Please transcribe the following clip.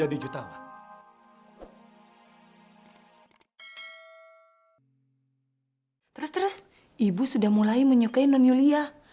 ibu sudah mulai menyukai non yulia